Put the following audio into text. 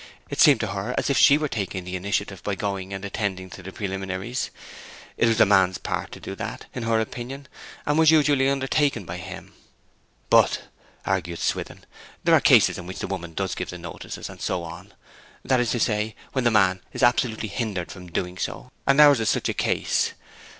It seemed to her as if she were taking the initiative by going and attending to the preliminaries. It was the man's part to do that, in her opinion, and was usually undertaken by him. 'But,' argued Swithin, 'there are cases in which the woman does give the notices, and so on; that is to say, when the man is absolutely hindered from doing so; and ours is such a case.